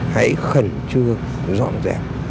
hãy khẩn trương dọn dẹp